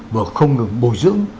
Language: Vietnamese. vừa không được bồi dưỡng